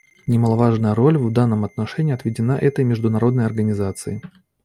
Немаловажная роль в данном отношении отведена этой международной организации.